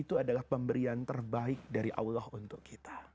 itu adalah pemberian terbaik dari allah untuk kita